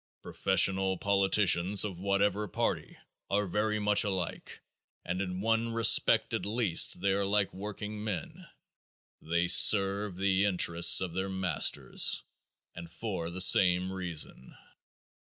Professional politicians of whatever party are very much alike and in one respect at least they are like workingmen, they serve the interests of their masters, and for the same reason.